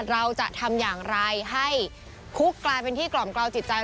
เราจะทำอย่างไรให้คุกกลายเป็นที่กล่อมกล่าวจิตใจ